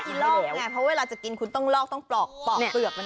ลอกไงเพราะเวลาจะกินคุณต้องลอกต้องปลอกปลอกเปลือกมัน